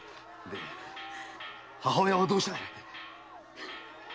母親はどうした？